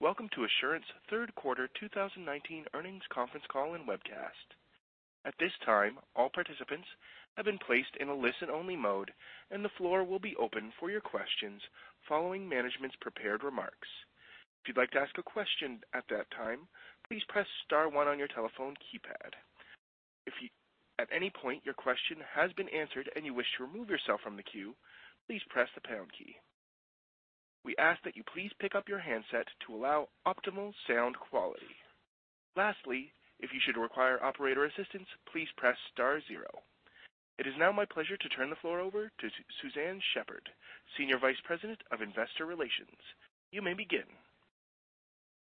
Welcome to Assurant's third quarter 2019 earnings conference call and webcast. At this time, all participants have been placed in a listen-only mode, and the floor will be open for your questions following management's prepared remarks. If you'd like to ask a question at that time, please press star one on your telephone keypad. If at any point your question has been answered and you wish to remove yourself from the queue, please press the pound key. We ask that you please pick up your handset to allow optimal sound quality. Lastly, if you should require operator assistance, please press star zero. It is now my pleasure to turn the floor over to Suzanne Shepherd, Senior Vice President of Investor Relations. You may begin.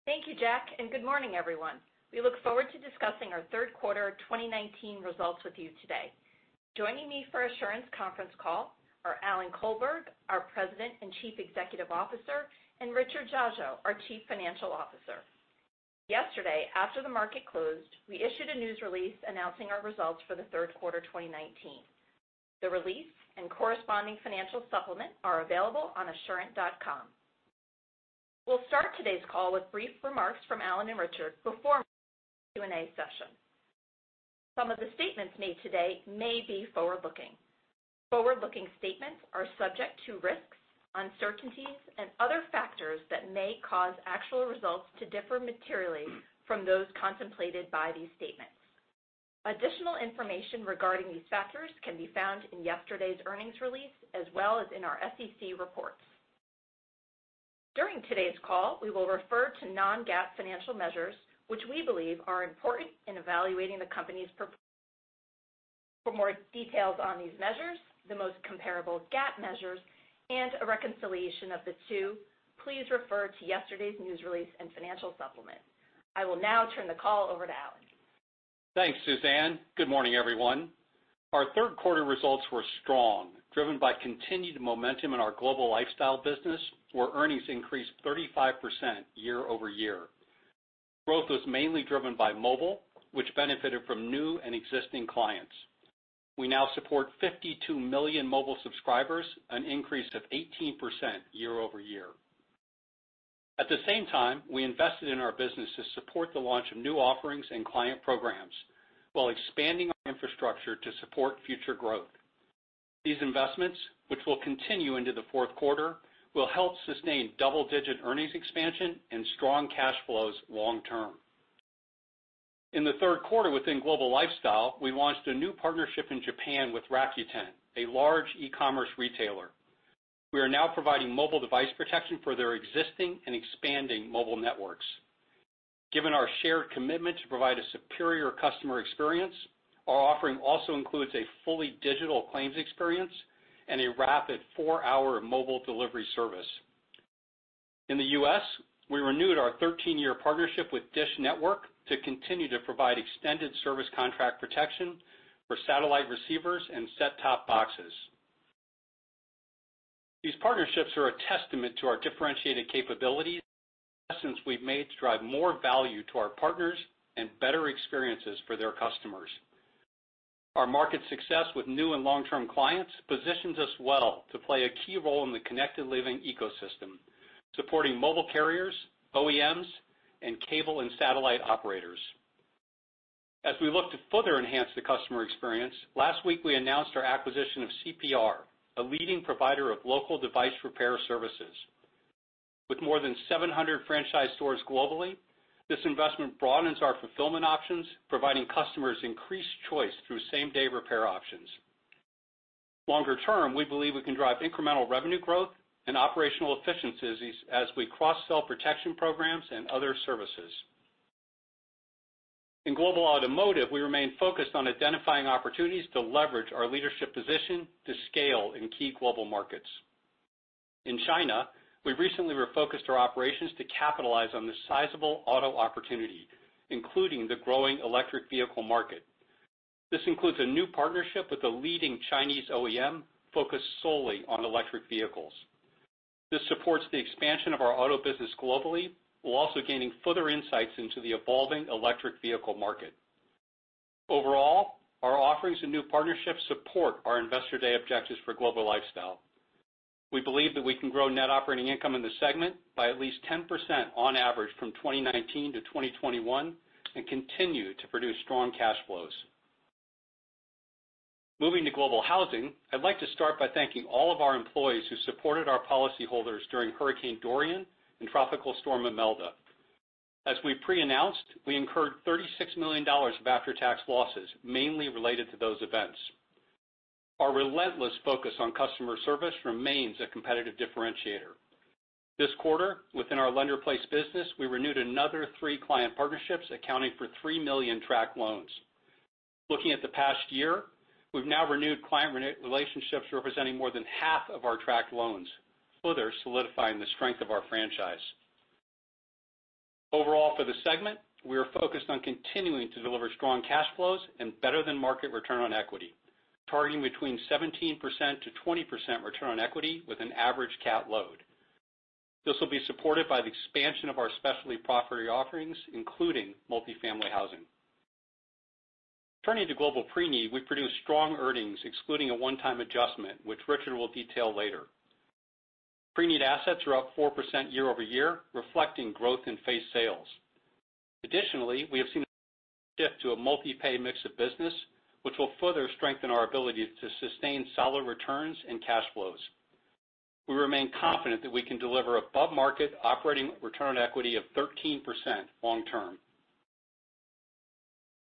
Thank you, Jack, and good morning, everyone. We look forward to discussing our third quarter 2019 results with you today. Joining me for Assurant's conference call are Alan Colberg, our President and Chief Executive Officer, and Richard Dziadzio, our Chief Financial Officer. Yesterday, after the market closed, we issued a news release announcing our results for the third quarter 2019. The release and corresponding financial supplement are available on assurant.com. We'll start today's call with brief remarks from Alan and Richard before Q&A session. Some of the statements made today may be forward-looking. Forward-looking statements are subject to risks, uncertainties, and other factors that may cause actual results to differ materially from those contemplated by these statements. Additional information regarding these factors can be found in yesterday's earnings release, as well as in our SEC reports. During today's call, we will refer to non-GAAP financial measures, which we believe are important in evaluating the company's performance. For more details on these measures, the most comparable GAAP measures, and a reconciliation of the two, please refer to yesterday's news release and financial supplement. I will now turn the call over to Alan. Thanks, Suzanne. Good morning, everyone. Our third quarter results were strong, driven by continued momentum in our Global Lifestyle business, where earnings increased 35% year-over-year. Growth was mainly driven by mobile, which benefited from new and existing clients. We now support 52 million mobile subscribers, an increase of 18% year-over-year. At the same time, we invested in our business to support the launch of new offerings and client programs while expanding our infrastructure to support future growth. These investments, which will continue into the fourth quarter, will help sustain double-digit earnings expansion and strong cash flows long term. In the third quarter within Global Lifestyle, we launched a new partnership in Japan with Rakuten, a large e-commerce retailer. We are now providing mobile device protection for their existing and expanding mobile networks. Given our shared commitment to provide a superior customer experience, our offering also includes a fully digital claims experience and a rapid four-hour mobile delivery service. In the U.S., we renewed our 13-year partnership with DISH Network to continue to provide extended service contract protection for satellite receivers and set-top boxes. These partnerships are a testament to our differentiated capabilities since we've made to drive more value to our partners and better experiences for their customers. Our market success with new and long-term clients positions us well to play a key role in the Connected Living ecosystem, supporting mobile carriers, OEMs, and cable and satellite operators. As we look to further enhance the customer experience, last week we announced our acquisition of CPR, a leading provider of local device repair services. With more than 700 franchise stores globally, this investment broadens our fulfillment options, providing customers increased choice through same-day repair options. Longer term, we believe we can drive incremental revenue growth and operational efficiencies as we cross-sell protection programs and other services. In Global Automotive, we remain focused on identifying opportunities to leverage our leadership position to scale in key global markets. In China, we recently refocused our operations to capitalize on the sizable auto opportunity, including the growing electric vehicle market. This includes a new partnership with a leading Chinese OEM focused solely on electric vehicles. This supports the expansion of our auto business globally, while also gaining further insights into the evolving electric vehicle market. Overall, our offerings and new partnerships support our Investor Day objectives for Global Lifestyle. We believe that we can grow net operating income in the segment by at least 10% on average from 2019 to 2021 and continue to produce strong cash flows. Moving to Global Housing, I'd like to start by thanking all of our employees who supported our policyholders during Hurricane Dorian and Tropical Storm Imelda. As we pre-announced, we incurred $36 million of after-tax losses, mainly related to those events. Our relentless focus on customer service remains a competitive differentiator. This quarter, within our lender place business, we renewed another three client partnerships, accounting for 3 million tracked loans. Looking at the past year, we've now renewed client relationships representing more than half of our tracked loans, further solidifying the strength of our franchise. Overall for the segment, we are focused on continuing to deliver strong cash flows and better than market return on equity, targeting between 17%-20% return on equity with an average CAT load. This will be supported by the expansion of our specialty property offerings, including multi-family housing. Turning to Global Preneed, we produced strong earnings excluding a one-time adjustment, which Richard will detail later. Preneed assets are up 4% year-over-year, reflecting growth in face sales. We have seen a shift to a multi-pay mix of business, which will further strengthen our ability to sustain solid returns and cash flows. We remain confident that we can deliver above-market operating return on equity of 13% long term.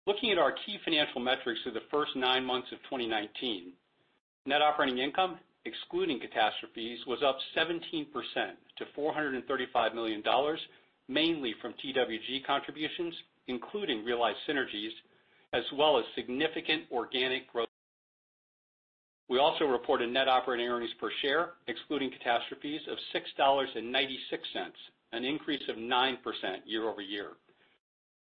Looking at our key financial metrics through the first nine months of 2019, net operating income, excluding catastrophes, was up 17% to $435 million, mainly from TWG contributions, including realized synergies, as well as significant organic growth. We also reported net operating earnings per share, excluding catastrophes of $6.96, an increase of 9% year-over-year.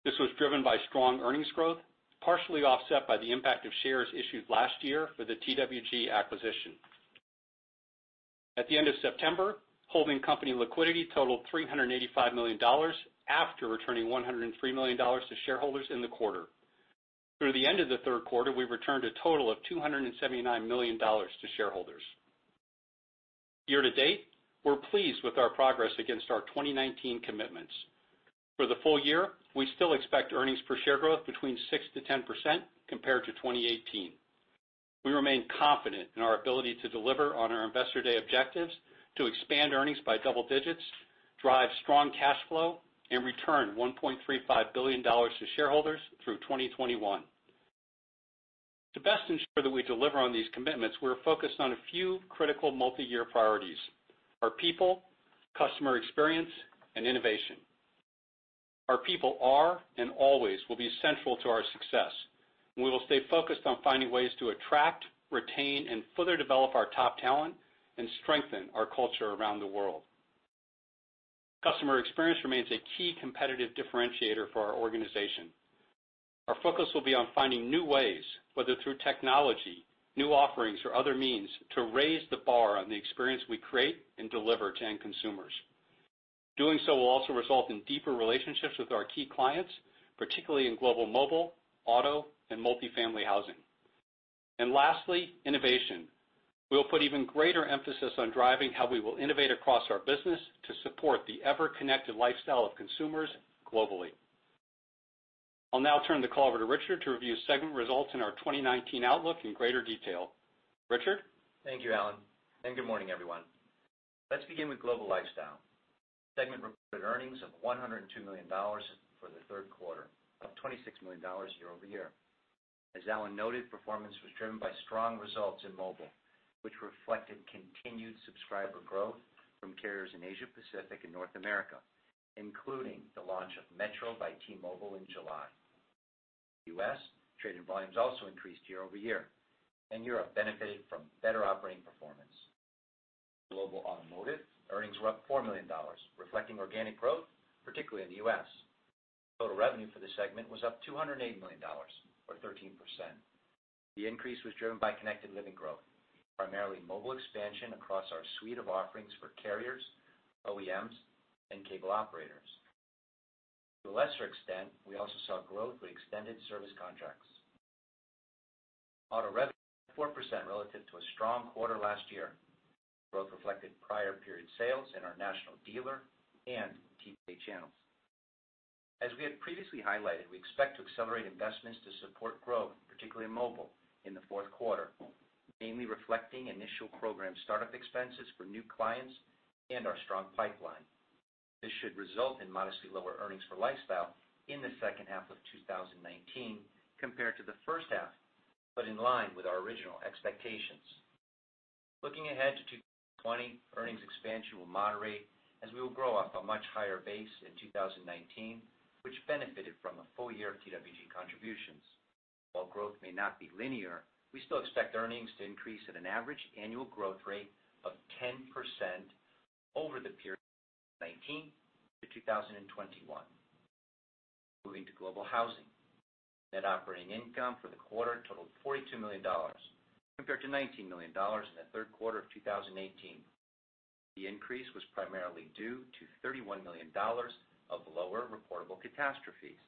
This was driven by strong earnings growth, partially offset by the impact of shares issued last year for the TWG acquisition. At the end of September, holding company liquidity totaled $385 million after returning $103 million to shareholders in the quarter. Through the end of the third quarter, we returned a total of $279 million to shareholders. Year to date, we are pleased with our progress against our 2019 commitments. For the full year, we still expect earnings per share growth between 6%-10% compared to 2018. We remain confident in our ability to deliver on our investor day objectives to expand earnings by double digits, drive strong cash flow, and return $1.35 billion to shareholders through 2021. To best ensure that we deliver on these commitments, we're focused on a few critical multi-year priorities: our people, customer experience, and innovation. Our people are and always will be central to our success. We will stay focused on finding ways to attract, retain, and further develop our top talent and strengthen our culture around the world. Customer experience remains a key competitive differentiator for our organization. Our focus will be on finding new ways, whether through technology, new offerings, or other means, to raise the bar on the experience we create and deliver to end consumers. Doing so will also result in deeper relationships with our key clients, particularly in global mobile, auto, and multifamily housing. Lastly, innovation. We'll put even greater emphasis on driving how we will innovate across our business to support the ever-connected lifestyle of consumers globally. I'll now turn the call over to Richard to review segment results and our 2019 outlook in greater detail. Richard? Thank you, Alan, good morning, everyone. Let's begin with Global Lifestyle. Segment reported earnings of $102 million for the third quarter, up $26 million year-over-year. As Alan noted, performance was driven by strong results in mobile, which reflected continued subscriber growth from carriers in Asia Pacific and North America, including the launch of Metro by T-Mobile in July. U.S. traded volumes also increased year-over-year, and Europe benefited from better operating performance. Global Automotive earnings were up $4 million, reflecting organic growth, particularly in the U.S. Total revenue for the segment was up $280 million, or 13%. The increase was driven by Connected Living growth, primarily mobile expansion across our suite of offerings for carriers, OEMs, and cable operators. To a lesser extent, we also saw growth for extended service contracts. Auto revenue 4% relative to a strong quarter last year. Growth reflected prior period sales in our national dealer and TPA channels. As we had previously highlighted, we expect to accelerate investments to support growth, particularly in mobile, in the fourth quarter, mainly reflecting initial program startup expenses for new clients and our strong pipeline. This should result in modestly lower earnings for Lifestyle in the second half of 2019 compared to the first half, but in line with our original expectations. Looking ahead to 2020, earnings expansion will moderate as we will grow off a much higher base in 2019, which benefited from a full year of TWG contributions. While growth may not be linear, we still expect earnings to increase at an average annual growth rate of 10% over the period of 2019 to 2021. Moving to Global Housing. Net operating income for the quarter totaled $42 million, compared to $19 million in the third quarter of 2018. The increase was primarily due to $31 million of lower reportable catastrophes.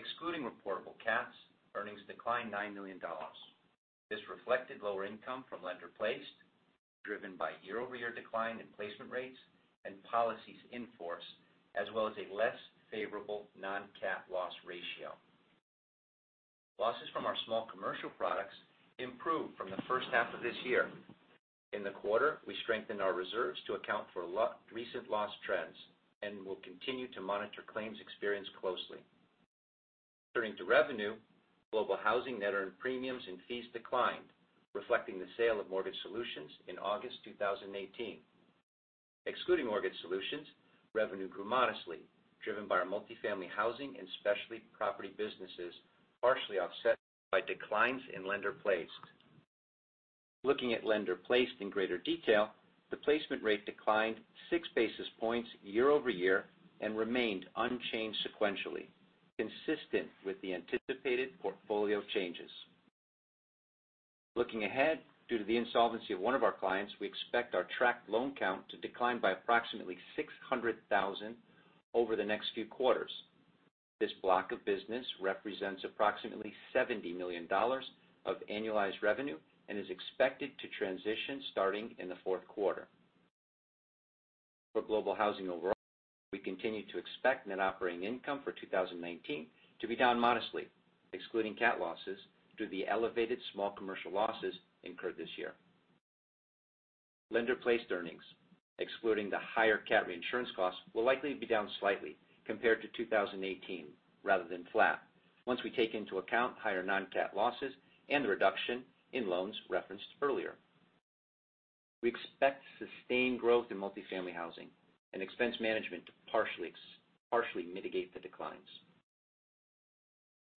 Excluding reportable cats, earnings declined $9 million. This reflected lower income from lender-placed, driven by year-over-year decline in placement rates and policies in force, as well as a less favorable non-cat loss ratio. Losses from our small commercial products improved from the first half of this year. In the quarter, we strengthened our reserves to account for recent loss trends and will continue to monitor claims experience closely. Turning to revenue, Global Housing net earned premiums and fees declined, reflecting the sale of Mortgage Solutions in August 2018. Excluding Mortgage Solutions, revenue grew modestly, driven by our multifamily housing and specialty property businesses, partially offset by declines in lender-placed. Looking at lender-placed in greater detail, the placement rate declined 6 basis points year-over-year and remained unchanged sequentially, consistent with the anticipated portfolio changes. Looking ahead, due to the insolvency of one of our clients, we expect our tracked loan count to decline by approximately 600,000 over the next few quarters. This block of business represents approximately $70 million of annualized revenue and is expected to transition starting in the fourth quarter. For Global Housing overall, we continue to expect net operating income for 2019 to be down modestly, excluding cat losses, due to the elevated small commercial losses incurred this year. Lender-placed earnings, excluding the higher cat reinsurance costs, will likely be down slightly compared to 2018 rather than flat once we take into account higher non-cat losses and the reduction in loans referenced earlier. We expect sustained growth in multifamily housing and expense management to partially mitigate the declines.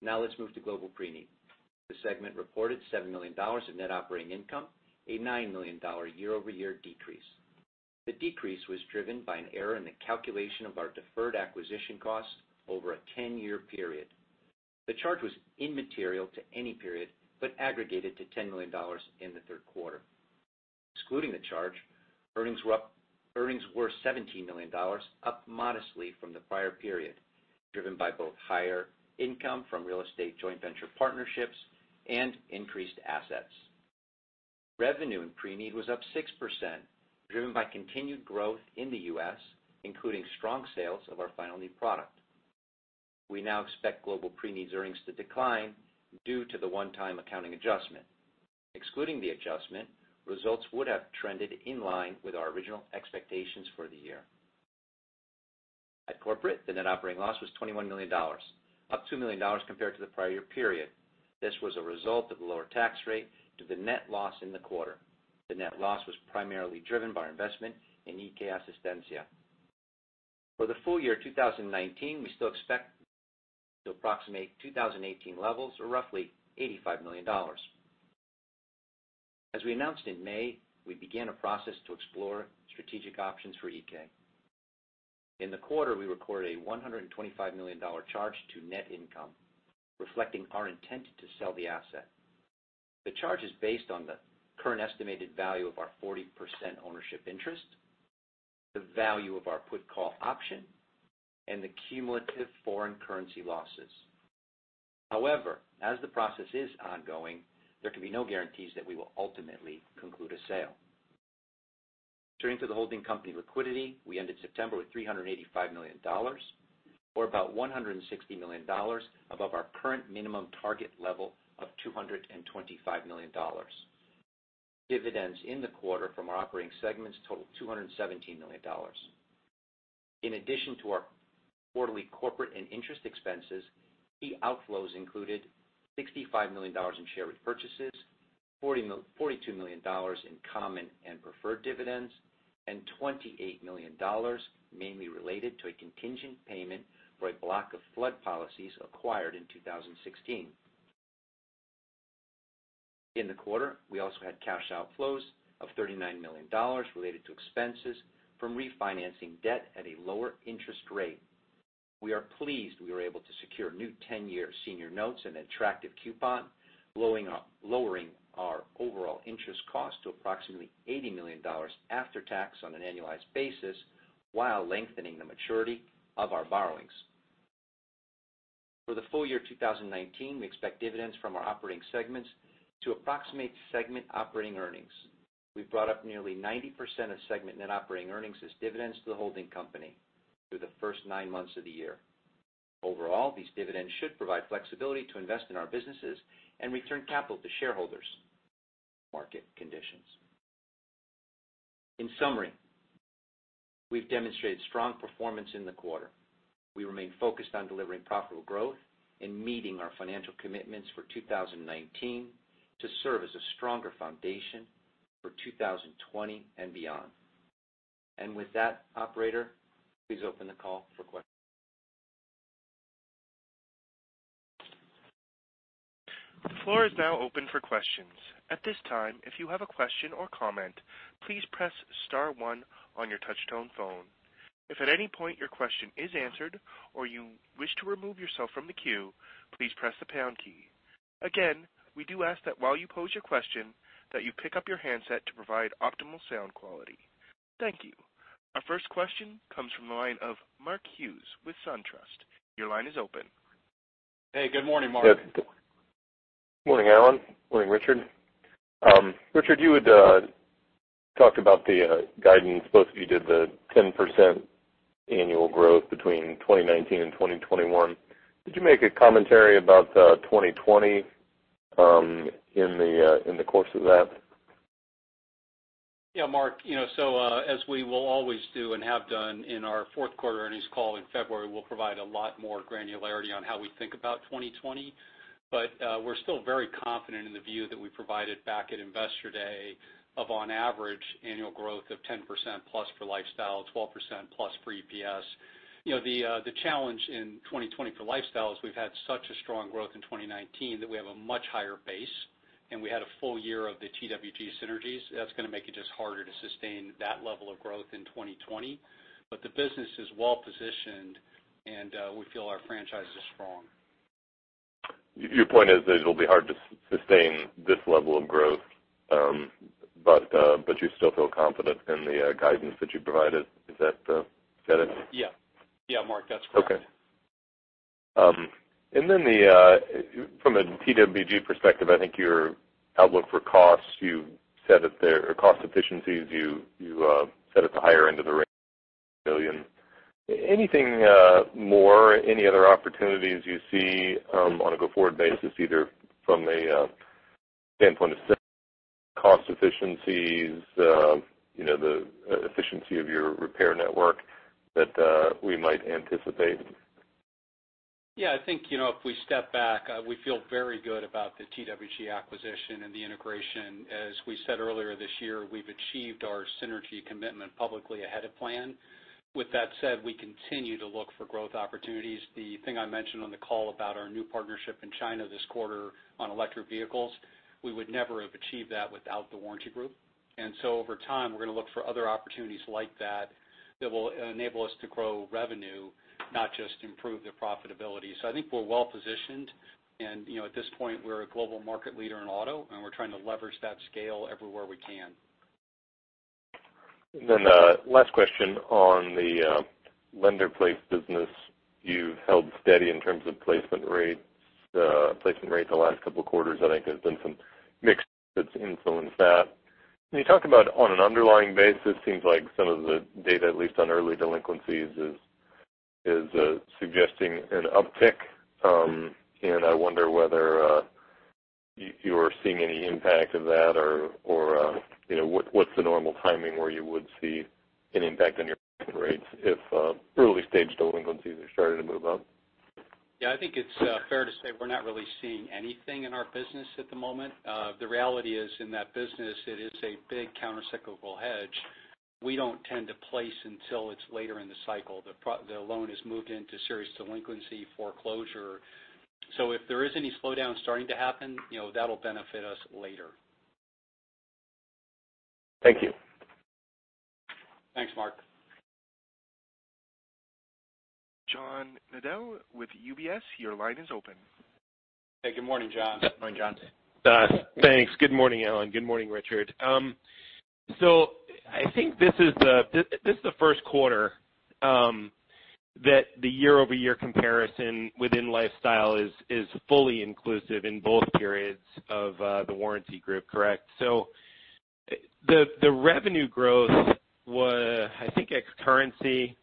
Now let's move to Global Preneed. The segment reported $7 million of net operating income, a $9 million year-over-year decrease. The decrease was driven by an error in the calculation of our deferred acquisition costs over a 10-year period. The charge was immaterial to any period but aggregated to $10 million in the third quarter. Excluding the charge, earnings were $17 million, up modestly from the prior period, driven by both higher income from real estate joint venture partnerships and increased assets. Revenue in Preneed was up 6%, driven by continued growth in the U.S., including strong sales of our final need product. We now expect Global Preneed's earnings to decline due to the one-time accounting adjustment. Excluding the adjustment, results would have trended in line with our original expectations for the year. At corporate, the net operating loss was $21 million, up $2 million compared to the prior year period. This was a result of the lower tax rate due to the net loss in the quarter. The net loss was primarily driven by our investment in Iké Asistencia. For the full year 2019, we still expect to approximate 2018 levels of roughly $85 million. As we announced in May, we began a process to explore strategic options for Iké. In the quarter, we recorded a $125 million charge to net income, reflecting our intent to sell the asset. The charge is based on the current estimated value of our 40% ownership interest, the value of our put call option, and the cumulative foreign currency losses. As the process is ongoing, there can be no guarantees that we will ultimately conclude a sale. Turning to the holding company liquidity, we ended September with $385 million, or about $160 million above our current minimum target level of $225 million. Dividends in the quarter from our operating segments totaled $217 million. In addition to our quarterly corporate and interest expenses, key outflows included $65 million in share repurchases, $42 million in common and preferred dividends, and $28 million mainly related to a contingent payment for a block of flood policies acquired in 2016. In the quarter, we also had cash outflows of $39 million related to expenses from refinancing debt at a lower interest rate. We are pleased we were able to secure new 10-year senior notes and attractive coupon, lowering our overall interest cost to approximately $80 million after tax on an annualized basis while lengthening the maturity of our borrowings. For the full year 2019, we expect dividends from our operating segments to approximate segment operating earnings. We've brought up nearly 90% of segment net operating earnings as dividends to the holding company through the first nine months of the year. Overall, these dividends should provide flexibility to invest in our businesses and return capital to shareholders. In summary, we've demonstrated strong performance in the quarter. We remain focused on delivering profitable growth and meeting our financial commitments for 2019 to serve as a stronger foundation for 2020 and beyond. With that, operator, please open the call for questions. The floor is now open for questions. At this time, if you have a question or comment, please press star one on your touch-tone phone. If at any point your question is answered or you wish to remove yourself from the queue, please press the pound key. Again, we do ask that while you pose your question, that you pick up your handset to provide optimal sound quality. Thank you. Our first question comes from the line of Mark Hughes with SunTrust. Your line is open. Hey, good morning, Mark. Good morning, Alan. Morning, Richard. Richard, you had talked about the guidance, both of you did, the 10% annual growth between 2019 and 2021. Did you make a commentary about 2020 in the course of that? Mark, as we will always do and have done in our fourth quarter earnings call in February, we'll provide a lot more granularity on how we think about 2020. We're still very confident in the view that we provided back at Investor Day of on average annual growth of 10%+ for Lifestyle, 12%+ for EPS. The challenge in 2020 for Lifestyle is we've had such a strong growth in 2019 that we have a much higher base, and we had a full year of the TWG synergies. That's going to make it just harder to sustain that level of growth in 2020. The business is well positioned We feel our franchise is strong. Your point is that it'll be hard to sustain this level of growth, but you still feel confident in the guidance that you provided. Is that the genesis? Yeah. Mark, that's correct. Okay. From a TWG perspective, I think your outlook for costs, you set it there, or cost efficiencies, you set at the higher end of the range, million. Anything more, any other opportunities you see on a go-forward basis, either from a standpoint of cost efficiencies, the efficiency of your repair network that we might anticipate? Yeah, I think, if we step back, we feel very good about the TWG acquisition and the integration. As we said earlier this year, we've achieved our synergy commitment publicly ahead of plan. With that said, we continue to look for growth opportunities. The thing I mentioned on the call about our new partnership in China this quarter on electric vehicles, we would never have achieved that without The Warranty Group. Over time, we're going to look for other opportunities like that that will enable us to grow revenue, not just improve the profitability. I think we're well-positioned, and at this point, we're a global market leader in auto, and we're trying to leverage that scale everywhere we can. Last question on the lender-placed business. You've held steady in terms of placement rates the last couple of quarters. I think there's been some mix that's influenced that. When you talk about on an underlying basis, seems like some of the data, at least on early delinquencies, is suggesting an uptick. I wonder whether you are seeing any impact of that or what's the normal timing where you would see an impact on your rates if early stage delinquencies are starting to move up? Yeah, I think it's fair to say we're not really seeing anything in our business at the moment. The reality is, in that business, it is a big countercyclical hedge. We don't tend to place until it's later in the cycle. The loan has moved into serious delinquency foreclosure. If there is any slowdown starting to happen, that'll benefit us later. Thank you. Thanks, Mark. John Nadeau with UBS, your line is open. Hey, good morning, John. Good morning, John. Thanks. Good morning, Alan. Good morning, Richard. I think this is the first quarter that the year-over-year comparison within Lifestyle is fully inclusive in both periods of The Warranty Group, correct? The revenue growth was, I think ex-currency,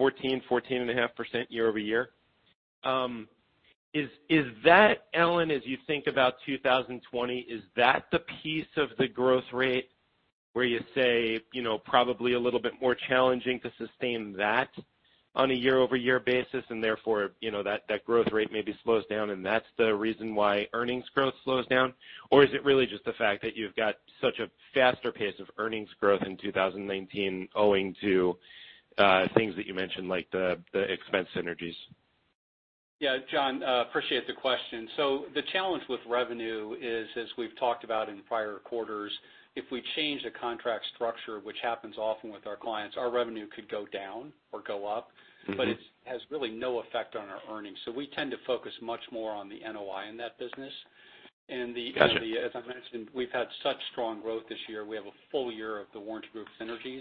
14%, 14.5% year-over-year. Alan, as you think about 2020, is that the piece of the growth rate where you say probably a little bit more challenging to sustain that on a year-over-year basis, and therefore, that growth rate maybe slows down, and that's the reason why earnings growth slows down? Or is it really just the fact that you've got such a faster pace of earnings growth in 2019 owing to things that you mentioned, like the expense synergies? Yeah. John, appreciate the question. The challenge with revenue is, as we've talked about in prior quarters, if we change the contract structure, which happens often with our clients, our revenue could go down or go up. It has really no effect on our earnings. We tend to focus much more on the NOI in that business. Got you. As I've mentioned, we've had such strong growth this year. We have a full year of The Warranty Group synergies.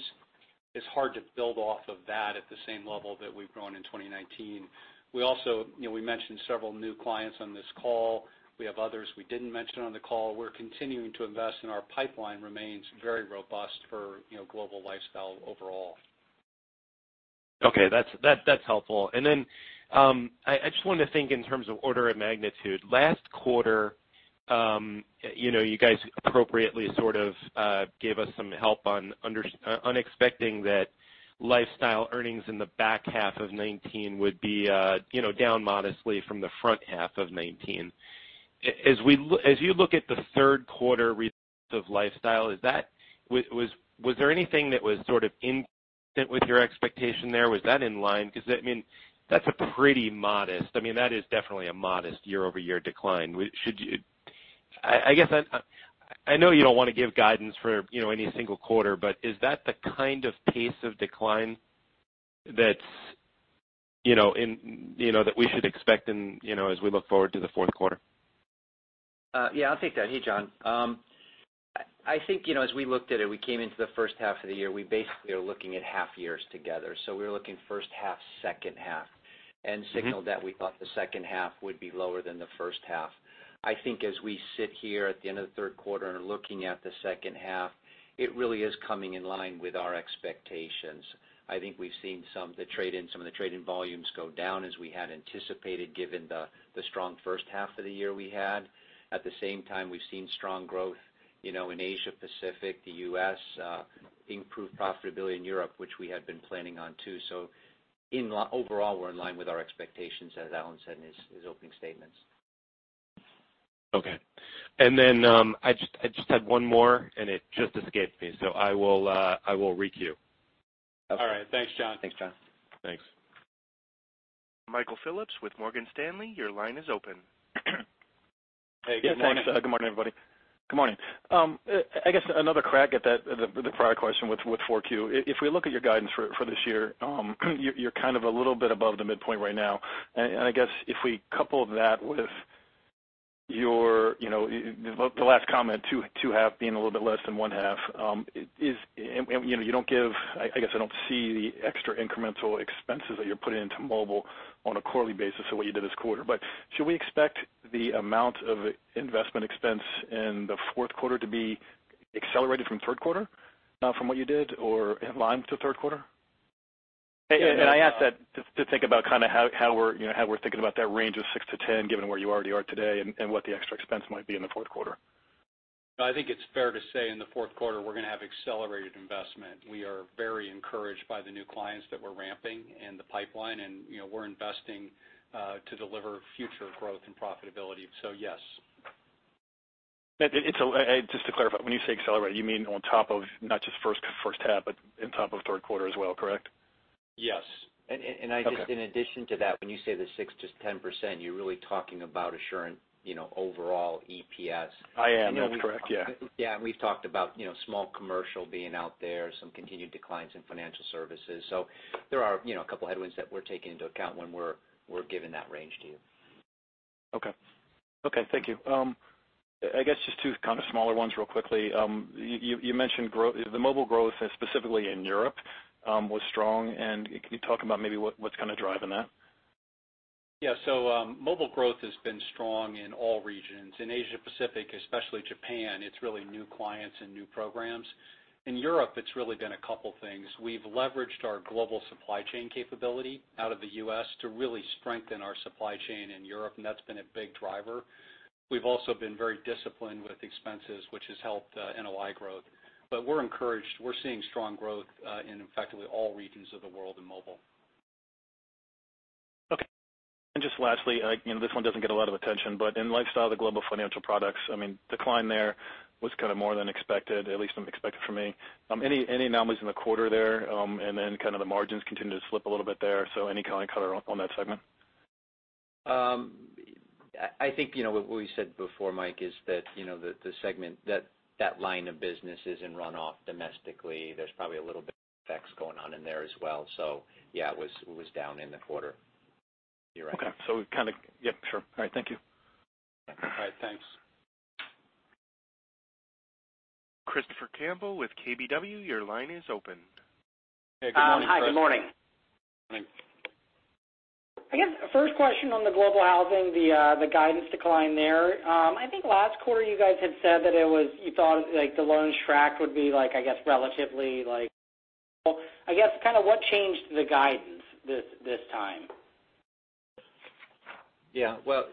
It's hard to build off of that at the same level that we've grown in 2019. We mentioned several new clients on this call. We have others we didn't mention on the call. We're continuing to invest, and our pipeline remains very robust for Global Lifestyle overall. Okay, that's helpful. I just wanted to think in terms of order of magnitude. Last quarter, you guys appropriately sort of gave us some help on unexpecting that Lifestyle earnings in the back half of 2019 would be down modestly from the front half of 2019. As you look at the third quarter results of Lifestyle, was there anything that was sort of in with your expectation there? Was that in line? Because that is definitely a modest year-over-year decline. I know you don't want to give guidance for any single quarter, but is that the kind of pace of decline that we should expect as we look forward to the fourth quarter? Yeah, I'll take that. Hey, John. I think as we looked at it, we came into the first half of the year. We basically are looking at half years together. We were looking first half, second half. Signaled that we thought the second half would be lower than the first half. I think as we sit here at the end of the third quarter and are looking at the second half, it really is coming in line with our expectations. I think we've seen some of the trade-in volumes go down as we had anticipated given the strong first half of the year we had. At the same time, we've seen strong growth in Asia Pacific, the U.S., improved profitability in Europe, which we had been planning on too. Overall, we're in line with our expectations, as Alan said in his opening statements. Okay. I just had one more, and it just escaped me, so I will re-queue. All right. Thanks, John. Thanks, John. Thanks. Michael Phillips with Morgan Stanley, your line is open. Hey, good morning. Yes, Mike. Good morning, everybody. Good morning. I guess another crack at the prior question with 4Q. If we look at your guidance for this year, you're kind of a little bit above the midpoint right now. I guess if we couple that with the last comment, two half being a little bit less than one half. You don't give, I guess I don't see the extra incremental expenses that you're putting into mobile on a quarterly basis or what you did this quarter. Should we expect the amount of investment expense in the fourth quarter to be accelerated from third quarter from what you did or in line to third quarter? I ask that to think about how we're thinking about that range of six to 10, given where you already are today and what the extra expense might be in the fourth quarter. I think it's fair to say in the fourth quarter, we're going to have accelerated investment. We are very encouraged by the new clients that we're ramping in the pipeline, and we're investing to deliver future growth and profitability. Yes. Just to clarify, when you say accelerate, you mean on top of not just first half, but on top of third quarter as well, correct? Yes. Okay. I just, in addition to that, when you say the 6%-10%, you're really talking about Assurant overall EPS. I am. That's correct, yeah. Yeah. We've talked about small commercial being out there, some continued declines in Financial Services. There are a couple headwinds that we're taking into account when we're giving that range to you. Okay. Thank you. I guess just two kind of smaller ones real quickly. You mentioned the mobile growth, specifically in Europe, was strong. Can you talk about maybe what's kind of driving that? Mobile growth has been strong in all regions. In Asia Pacific, especially Japan, it's really new clients and new programs. In Europe, it's really been a couple things. We've leveraged our global supply chain capability out of the U.S. to really strengthen our supply chain in Europe, and that's been a big driver. We've also been very disciplined with expenses, which has helped NOI growth. We're encouraged. We're seeing strong growth in effectively all regions of the world in mobile. Okay. Just lastly, this one doesn't get a lot of attention, but in Global Lifestyle, the Global Financial products, decline there was kind of more than expected, at least unexpected for me. Any anomalies in the quarter there? The margins continue to slip a little bit there, any color on that segment? I think what we said before, Mike, is that the segment, that line of business is in runoff domestically. There's probably a little bit of effects going on in there as well. Yeah, it was down in the quarter. You're right. Okay. Yeah, sure. All right, thank you. All right, thanks. Christopher Campbell with KBW, your line is open. Hey, good morning, Chris. Hi, good morning. Morning. I guess first question on the Global Housing, the guidance decline there. I think last quarter you guys had said that you thought the loans track would be, I guess, relatively like what changed the guidance this time? Yeah, well,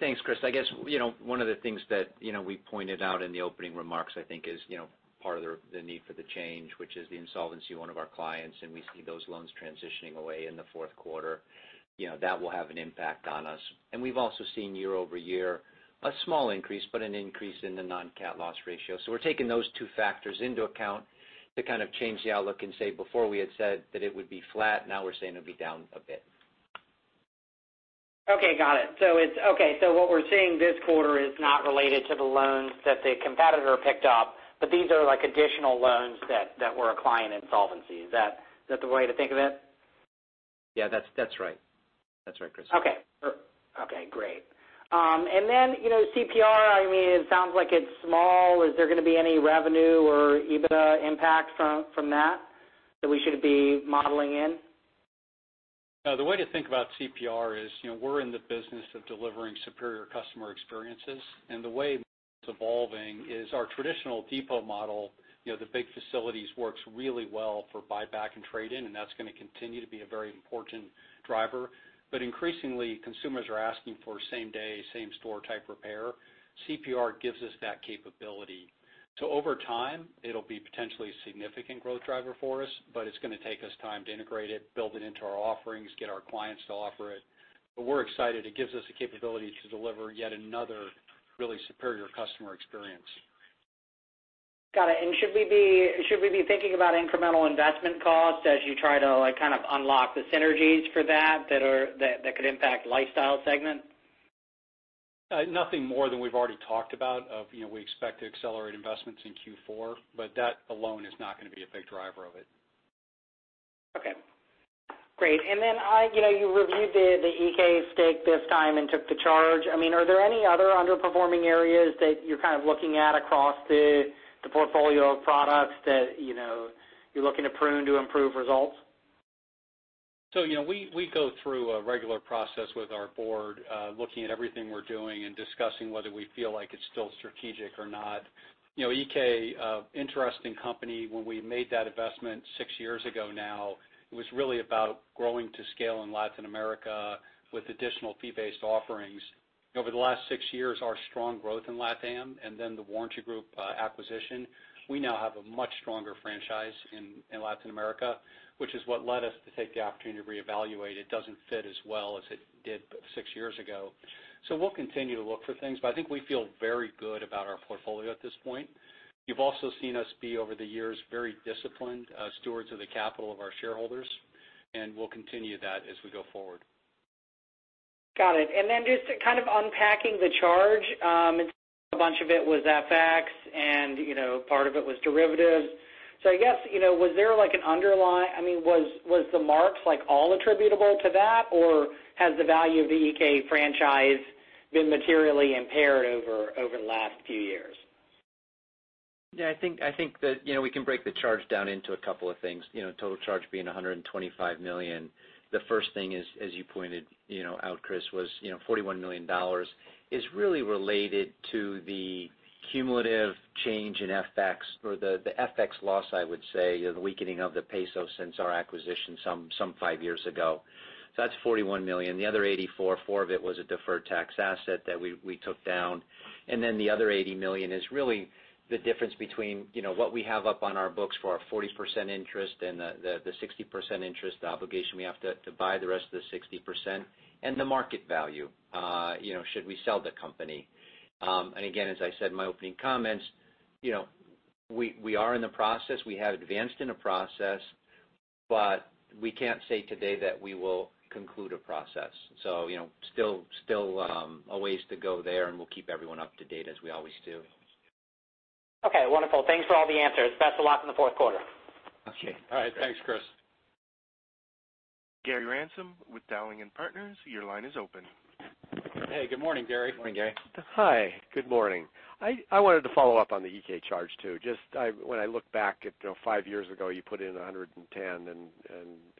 thanks, Chris. I guess one of the things that we pointed out in the opening remarks, I think is part of the need for the change, which is the insolvency of one of our clients. We see those loans transitioning away in the fourth quarter. That will have an impact on us. We've also seen year-over-year a small increase, but an increase in the non-CAT loss ratio. We're taking those two factors into account to kind of change the outlook and say before we had said that it would be flat. Now we're saying it'll be down a bit. Okay, got it. What we're seeing this quarter is not related to the loans that the competitor picked up, but these are additional loans that were a client insolvency. Is that the way to think of it? Yeah, that's right. That's right, Chris. Okay, great. CPR, it sounds like it's small. Is there going to be any revenue or EBITDA impact from that we should be modeling in? The way to think about CPR is we're in the business of delivering superior customer experiences. The way it's evolving is our traditional depot model, the big facilities works really well for buyback and trade-in, and that's going to continue to be a very important driver. Increasingly, consumers are asking for same day, same store type repair. CPR gives us that capability. Over time, it'll be potentially a significant growth driver for us, but it's going to take us time to integrate it, build it into our offerings, get our clients to offer it. We're excited. It gives us the capability to deliver yet another really superior customer experience. Got it. Should we be thinking about incremental investment costs as you try to kind of unlock the synergies for that could impact Lifestyle segment? Nothing more than we've already talked about of we expect to accelerate investments in Q4, but that alone is not going to be a big driver of it. Okay, great. Then you reviewed the Iké stake this time and took the charge. Are there any other underperforming areas that you're kind of looking at across the portfolio of products that you're looking to prune to improve results? We go through a regular process with our board, looking at everything we're doing and discussing whether we feel like it's still strategic or not. Iké, interesting company. When we made that investment six years ago now, it was really about growing to scale in Latin America with additional fee-based offerings. Over the last six years, our strong growth in LATAM and then The Warranty Group acquisition, we now have a much stronger franchise in Latin America, which is what led us to take the opportunity to reevaluate. It doesn't fit as well as it did six years ago. We'll continue to look for things, but I think we feel very Our portfolio at this point. You've also seen us be, over the years, very disciplined stewards of the capital of our shareholders, and we'll continue that as we go forward. Got it. Just kind of unpacking the charge, a bunch of it was FX and, you know, part of it was derivatives. I guess, was the marks like all attributable to that, or has the value of the Iké franchise been materially impaired over the last few years? Yeah, I think that we can break the charge down into a couple of things, total charge being $125 million. The first thing is, as you pointed out, Chris, was $41 million is really related to the cumulative change in FX or the FX loss, I would say, the weakening of the peso since our acquisition some five years ago. That's $41 million. The other 84, four of it was a deferred tax asset that we took down. The other $80 million is really the difference between what we have up on our books for our 40% interest and the 60% interest obligation we have to buy the rest of the 60%, and the market value, should we sell the company. Again, as I said in my opening comments, we are in the process. We have advanced in a process, but we can't say today that we will conclude a process. Still a ways to go there, and we'll keep everyone up to date as we always do. Okay, wonderful. Thanks for all the answers. Best of luck in the fourth quarter. Okay. All right. Thanks, Chris. Gary Ransom with Dowling & Partners, your line is open. Hey, good morning, Gary. Morning, Gary. Hi, good morning. I wanted to follow up on the Iké charge too. When I look back at five years ago, you put in 110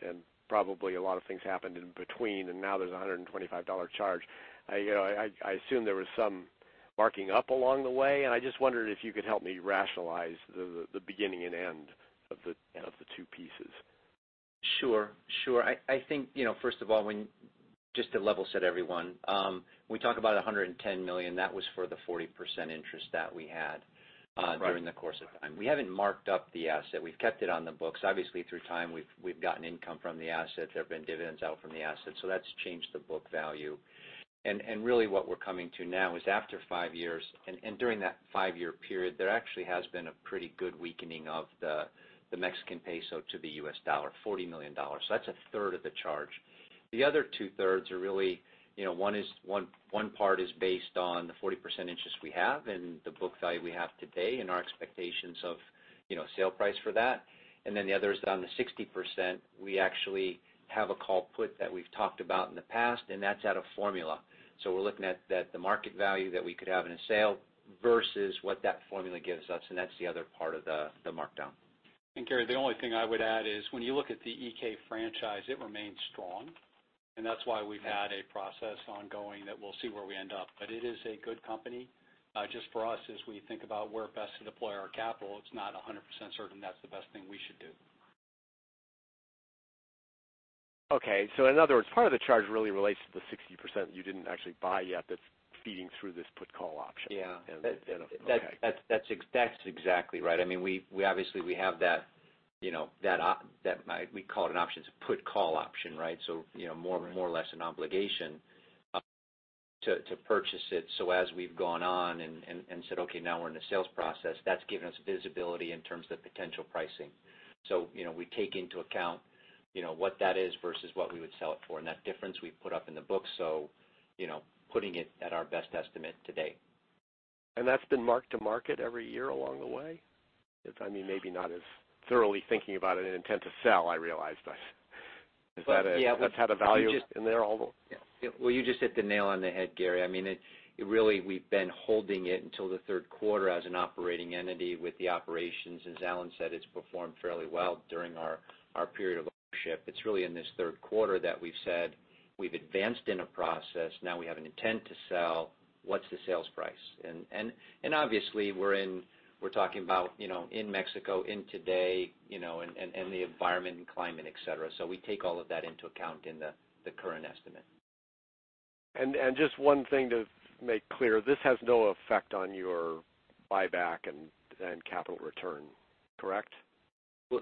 and probably a lot of things happened in between, and now there's a $125 charge. I assume there was some marking up along the way, and I just wondered if you could help me rationalize the beginning and end of the two pieces. Sure. I think, first of all, just to level set everyone, when we talk about $110 million, that was for the 40% interest that we had. Right during the course of time. We haven't marked up the asset. We've kept it on the books. Obviously, through time, we've gotten income from the asset. There have been dividends out from the asset. That's changed the book value. Really what we're coming to now is after five years, and during that five-year period, there actually has been a pretty good weakening of the Mexican peso to the U.S. dollar, $40 million. That's a third of the charge. The other two-thirds are really, one part is based on the 40% interest we have and the book value we have today and our expectations of sale price for that. The other is on the 60%, we actually have a call put that we've talked about in the past, and that's at a formula. We're looking at the market value that we could have in a sale versus what that formula gives us, and that's the other part of the markdown. Gary, the only thing I would add is when you look at the Iké franchise, it remains strong, and that's why we've had a process ongoing that we'll see where we end up. It is a good company. Just for us, as we think about where best to deploy our capital, it's not 100% certain that's the best thing we should do. Okay. In other words, part of the charge really relates to the 60% you didn't actually buy yet that's feeding through this put call option. Yeah. Okay. That's exactly right. We obviously have that, we call it an option. It's a put call option, right? Right more or less an obligation to purchase it. As we've gone on and said, okay, now we're in the sales process, that's given us visibility in terms of potential pricing. We take into account what that is versus what we would sell it for. That difference we put up in the book, so putting it at our best estimate today. That's been marked to market every year along the way? Maybe not as thoroughly thinking about an intent to sell, I realize, but has that had a value in there? Well, you just hit the nail on the head, Gary. Really, we've been holding it until the third quarter as an operating entity with the operations. As Alan said, it's performed fairly well during our period of ownership. It's really in this third quarter that we've said we've advanced in a process. Now we have an intent to sell. What's the sales price? Obviously, we're talking about in Mexico, in today, and the environment and climate, et cetera. We take all of that into account in the current estimate. Just one thing to make clear, this has no effect on your buyback and capital return, correct?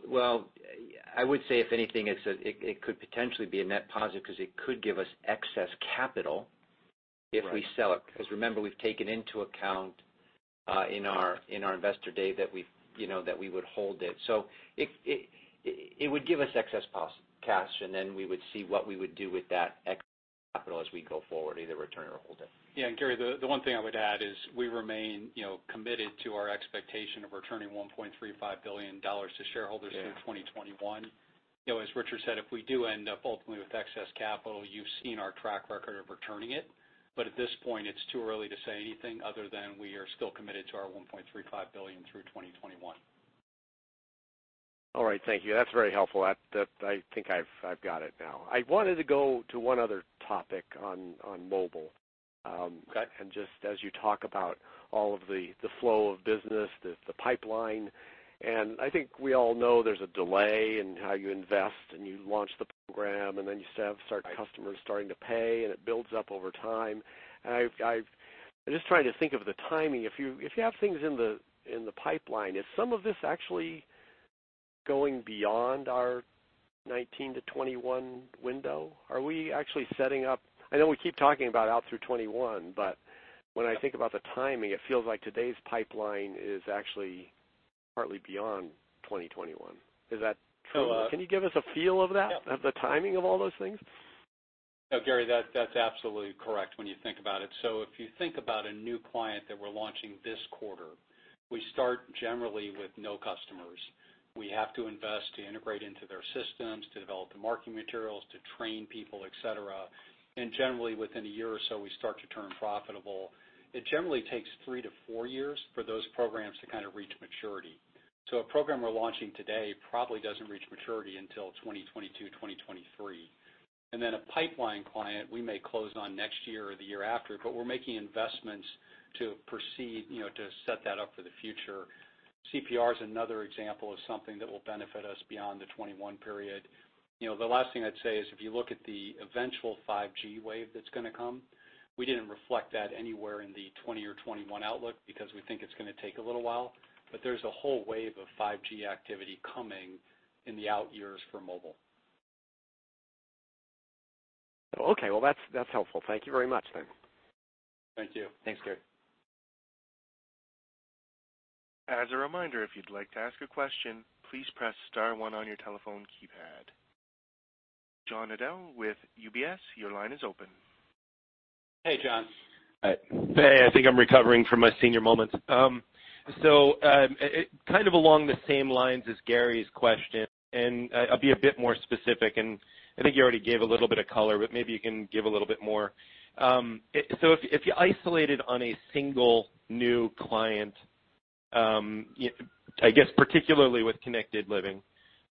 Well, I would say if anything, it could potentially be a net positive because it could give us excess capital. Right if we sell it. Remember, we've taken into account, in our Investor Day that we would hold it. It would give us excess cash, and then we would see what we would do with that excess capital as we go forward, either return or hold it. Yeah, Gary, the one thing I would add is we remain committed to our expectation of returning $1.35 billion to shareholders. Yeah through 2021. As Richard said, if we do end up ultimately with excess capital, you've seen our track record of returning it, at this point, it's too early to say anything other than we are still committed to our $1.35 billion through 2021. All right. Thank you. That's very helpful. I think I've got it now. I wanted to go to one other topic on mobile. Okay. Just as you talk about all of the flow of business, the pipeline, and I think we all know there's a delay in how you invest, and you launch the program. Right customers starting to pay, it builds up over time. I'm just trying to think of the timing. If you have things in the pipeline, is some of this actually going beyond our 2019 to 2021 window, are we actually setting up I know we keep talking about out through 2021, but when I think about the timing, it feels like today's pipeline is actually partly beyond 2021? Is that true? So- Can you give us a feel of that? Yeah. Of the timing of all those things? No, Gary, that's absolutely correct when you think about it. If you think about a new client that we're launching this quarter, we start generally with no customers. We have to invest to integrate into their systems, to develop the marketing materials, to train people, et cetera, and generally, within a year or so, we start to turn profitable. It generally takes three to four years for those programs to kind of reach maturity. A program we're launching today probably doesn't reach maturity until 2022, 2023. A pipeline client, we may close on next year or the year after, but we're making investments to proceed, to set that up for the future. CPR is another example of something that will benefit us beyond the 2021 period. The last thing I'd say is if you look at the eventual 5G wave that's going to come, we didn't reflect that anywhere in the 2020 or 2021 outlook because we think it's going to take a little while, but there's a whole wave of 5G activity coming in the out years for mobile. Okay. Well, that's helpful. Thank you very much then. Thank you. Thanks, Gary. As a reminder, if you'd like to ask a question, please press star one on your telephone keypad. John Nadel with UBS, your line is open. Hey, John. Hi. Hey, I think I'm recovering from my senior moments. Kind of along the same lines as Gary's question, and I'll be a bit more specific, and I think you already gave a little bit of color, but maybe you can give a little bit more. If you isolated on a single new client, I guess particularly with Connected Living,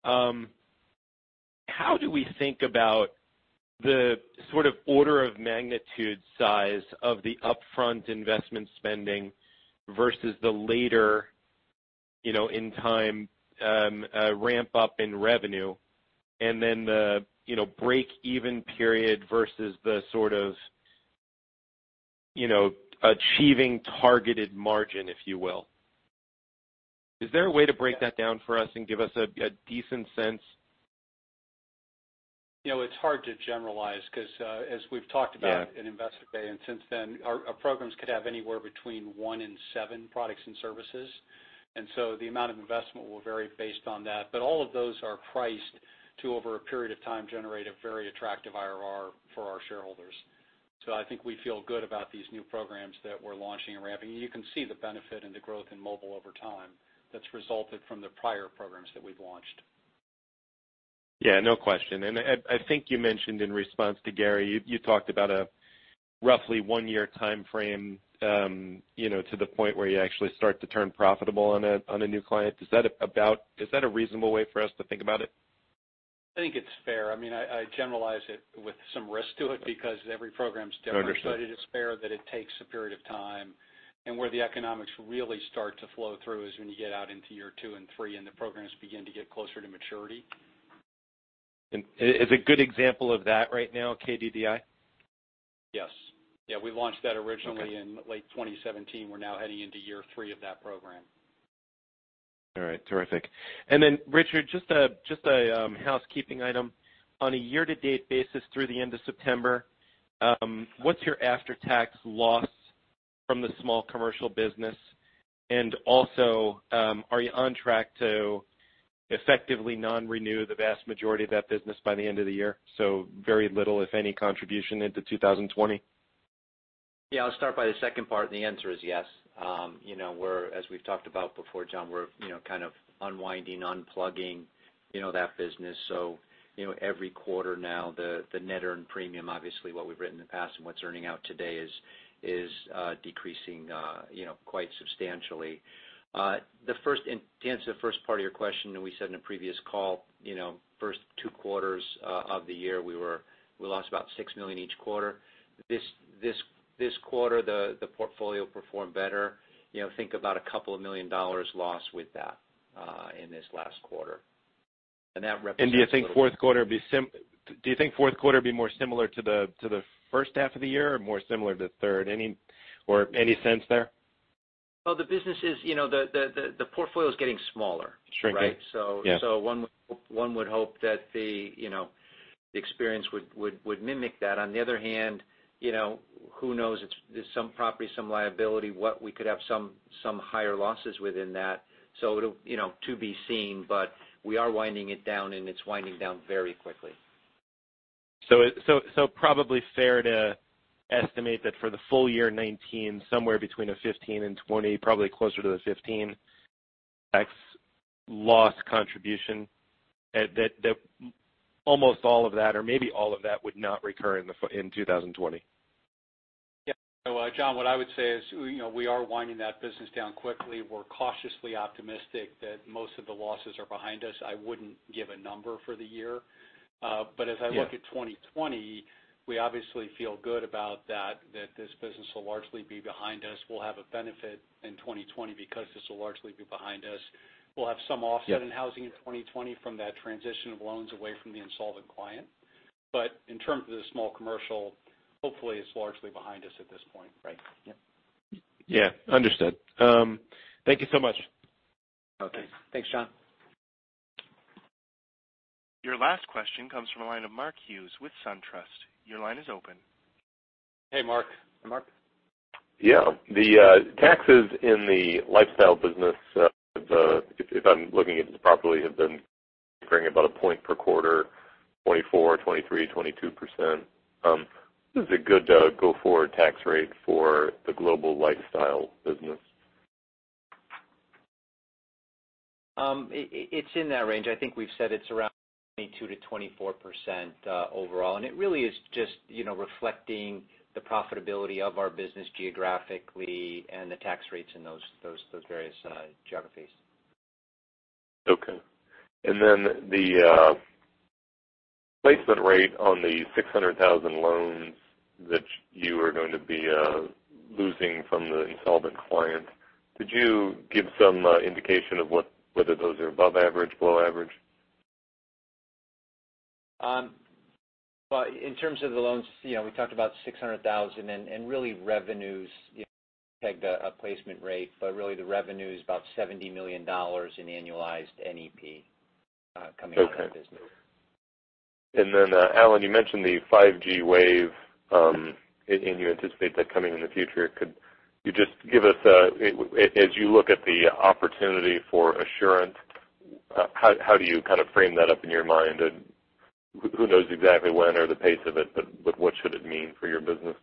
how do we think about the sort of order of magnitude size of the upfront investment spending versus the later in time ramp up in revenue and then the break-even period versus the sort of achieving targeted margin, if you will? Is there a way to break that down for us and give us a decent sense? It's hard to generalize because as we've talked about. Yeah at Investor Day and since then, our programs could have anywhere between one and seven products and services. The amount of investment will vary based on that. All of those are priced to, over a period of time, generate a very attractive IRR for our shareholders. I think we feel good about these new programs that we're launching and ramping, and you can see the benefit and the growth in mobile over time that's resulted from the prior programs that we've launched. Yeah, no question. I think you mentioned in response to Gary, you talked about a roughly one-year timeframe to the point where you actually start to turn profitable on a new client. Is that a reasonable way for us to think about it? I think it's fair. I generalize it with some risk to it because every program's different. Understood. It is fair that it takes a period of time, and where the economics really start to flow through is when you get out into year two and three, and the programs begin to get closer to maturity. Is a good example of that right now KDDI? Yes. We launched that originally. Okay in late 2017. We're now heading into year three of that program. All right. Terrific. Richard, just a housekeeping item. On a year-to-date basis through the end of September, what's your after-tax loss from the small commercial business? Also, are you on track to effectively non-renew the vast majority of that business by the end of the year, so very little, if any, contribution into 2020? Yeah, I'll start by the second part, and the answer is yes. As we've talked about before, John, we're kind of unwinding, unplugging that business. Every quarter now, the net earned premium, obviously what we've written in the past and what's earning out today is decreasing quite substantially. To answer the first part of your question, we said in a previous call, first two quarters of the year, we lost about $6 million each quarter. This quarter, the portfolio performed better. Think about a couple of million dollars loss with that in this last quarter. That represents a little. Do you think fourth quarter will be more similar to the first half of the year or more similar to the third? Any sense there? Well, the portfolio is getting smaller. Shrinking. Right? Yeah. One would hope that the experience would mimic that. On the other hand, who knows? There's some property, some liability. We could have some higher losses within that, so to be seen, but we are winding it down, and it's winding down very quickly. Probably fair to estimate that for the full year 2019, somewhere between a 15 and 20, probably closer to the 15, tax loss contribution, that almost all of that or maybe all of that would not recur in 2020. Yeah. John, what I would say is we are winding that business down quickly. We're cautiously optimistic that most of the losses are behind us. I wouldn't give a number for the year. Yeah. As I look at 2020, we obviously feel good about that this business will largely be behind us. We'll have a benefit in 2020 because this will largely be behind us. Yeah in housing in 2020 from that transition of loans away from the insolvent client. In terms of the small commercial, hopefully it's largely behind us at this point. Right. Yep. Yeah. Understood. Thank you so much. Okay. Thanks, John. Your last question comes from the line of Mark Hughes with SunTrust. Your line is open. Hey, Mark. Mark. Yeah. The taxes in the Global Lifestyle business, if I'm looking at this properly, have been growing about a point per quarter, 24%, 23%, 22%. This is a good go-forward tax rate for the Global Lifestyle business. It's in that range. I think we've said it's around 22%-24% overall. It really is just reflecting the profitability of our business geographically and the tax rates in those various geographies. Okay. The placement rate on the 600,000 loans that you are going to be losing from the insolvent clients, could you give some indication of whether those are above average, below average? In terms of the loans, we talked about 600,000, and really revenues pegged a placement rate, but really the revenue's about $70 million in annualized NEP coming out of the business. Okay. Alan, you mentioned the 5G wave, and you anticipate that coming in the future. Could you just give us As you look at the opportunity for Assurant, how do you kind of frame that up in your mind? Who knows exactly when or the pace of it, but what should it mean for your business?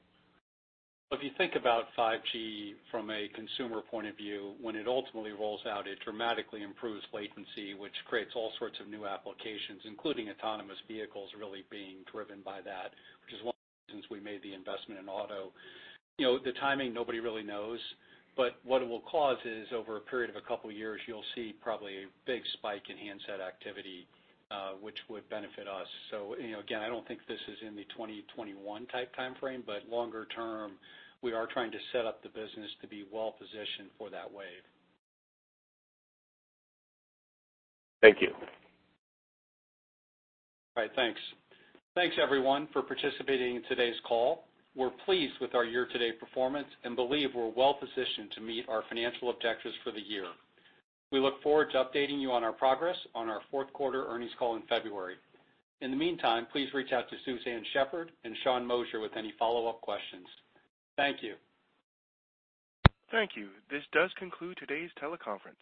If you think about 5G from a consumer point of view, when it ultimately rolls out, it dramatically improves latency, which creates all sorts of new applications, including autonomous vehicles really being driven by that, which is one of the reasons we made the investment in Auto. The timing, nobody really knows. What it will cause is over a period of a couple of years, you'll see probably a big spike in handset activity, which would benefit us. Again, I don't think this is in the 2021 type timeframe, but longer term, we are trying to set up the business to be well-positioned for that wave. Thank you. All right. Thanks. Thanks, everyone, for participating in today's call. We're pleased with our year-to-date performance and believe we're well-positioned to meet our financial objectives for the year. We look forward to updating you on our progress on our fourth quarter earnings call in February. In the meantime, please reach out to Suzanne Shepherd and Sean Moshier with any follow-up questions. Thank you. Thank you. This does conclude today's teleconference.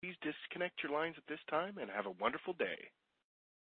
Please disconnect your lines at this time and have a wonderful day.